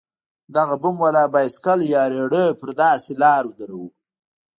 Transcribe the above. دغه بم والا بايسېکل يا رېړۍ پر داسې لارو دروو.